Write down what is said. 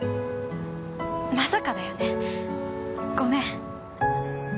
まさかだよねごめん。